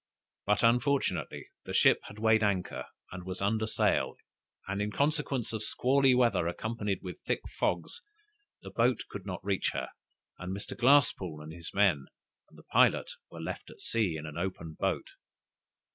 But, unfortunately, the ship had weighed anchor and was under sail, and in consequence of squally weather, accompanied with thick fogs, the boat could not reach her, and Mr. Glasspoole and his men and the pilot were left at sea, in an open boat.